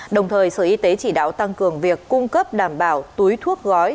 đồng thời sở y tế chỉ đạo tăng cường việc cung cấp đảm bảo túi thuốc gói